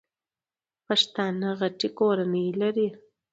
پښتانه غټي کورنۍ لري.